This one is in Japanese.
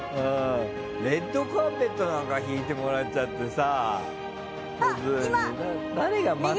レッドカーペットなんか敷いてもらっちゃってさ。